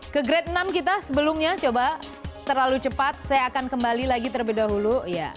ke grade enam kita sebelumnya coba terlalu cepat saya akan kembali lagi terlebih dahulu